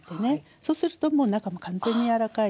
そうするともう中完全に柔らかいのでね。